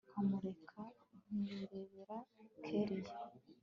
nkamureka nkirebera kellia